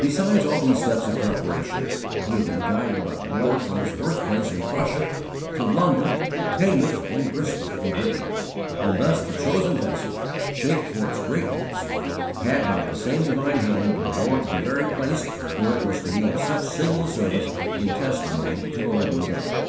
24. Beside all these steps of preparation, he had been guided by the Lord from his birthplace in Prussia to London, Teignmouth, and Bristol in Britain, and thus the chosen vessel, shaped for its great use, had by the same divine Hand been borne to the very place where it was to be of such signal service in testimony to the Living God.